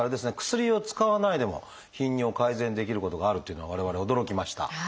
薬を使わないでも頻尿を改善できることがあるというのは我々驚きました。